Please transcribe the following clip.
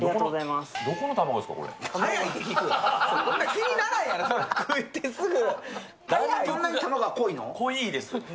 気にならんやろ、食ってすぐ！